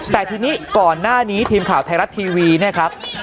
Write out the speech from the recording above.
แต่ทีนี้ก่อนหน้านี้ทีมข่าวไทยรัฐทีวีเนี่ยครับ